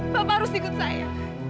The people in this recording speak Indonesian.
bapak harus ikut saya